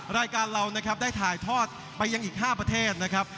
รายการเรานะครับได้ถ่ายทอดไปยังอีก๕ประเทศนะครับ